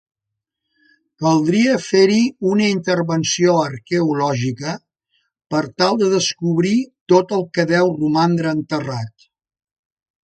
Caldria fer-hi una intervenció arqueològica per tal de descobrir tot el que deu romandre enterrat.